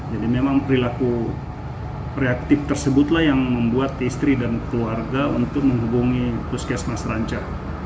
jadi memang perilaku reaktif tersebutlah yang membuat istri dan keluarga untuk menghubungi puskesmas ranca